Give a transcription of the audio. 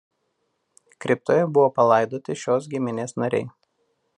Kriptoje buvo palaidoti šios giminės nariai.